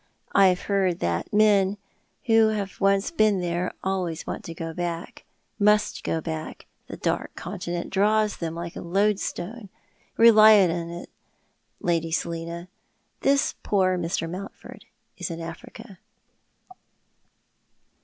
I have heard that men who have once been there always want to go back — must go back. The Dark Continent draws them like a loadstone. Kely upon it. Lady Selina, this poor Mr. Mountford is in Africa."